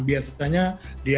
biasanya diare mual muntah